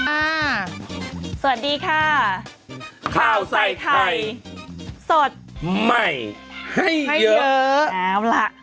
อ่าสวัสดีค่ะข้าวใส่ไข่สดใหม่ให้เยอะเอาล่ะ